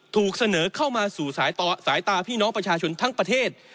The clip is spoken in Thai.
ถูกเสนอเข้ามาสู่สายตาพี่น้องประชาชนทั้งประเทศ